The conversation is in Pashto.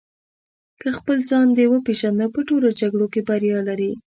که خپل ځان دې وپېژنده په ټولو جګړو کې بریا لرې.